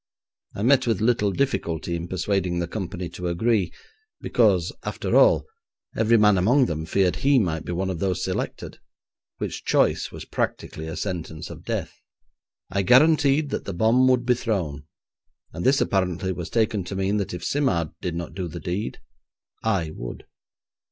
I met with little difficulty in persuading the company to agree, because, after all, every man among them feared he might be one of those selected, which choice was practically a sentence of death. I guaranteed that the bomb would be thrown, and this apparently was taken to mean that if Simard did not do the deed, I would.